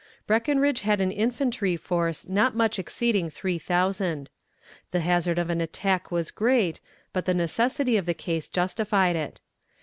Breckinridge had an infantry force not much exceeding three thousand. The hazard of an attack was great, but the necessity of the case justified it.